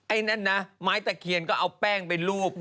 ไอ้นั่นนะไม้ตะเคียนก็เอาแป้งไปรูป